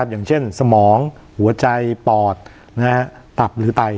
อย่างเช่นสมองหัวใจปอดตับหรือไต